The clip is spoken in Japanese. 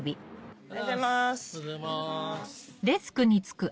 おはようございます。